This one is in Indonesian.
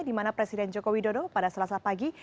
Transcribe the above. di mana presiden joko widodo pada selasa pagi